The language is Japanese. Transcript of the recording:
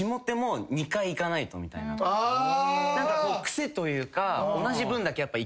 癖というか。